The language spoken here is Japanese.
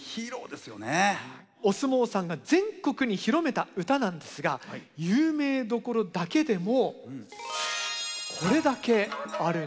お相撲さんが全国に広めた唄なんですが有名どころだけでもこれだけあるんです。